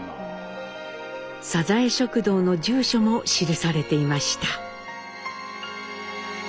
サザエ食堂の住所も記されていました。